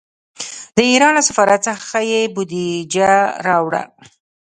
د ایران له سفارت څخه یې بودجه راوړه.